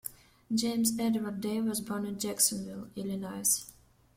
James Edward Day was born in Jacksonville, Illinois.